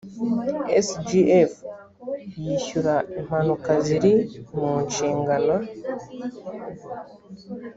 sgf yishyura impanuka ziri mu nshingano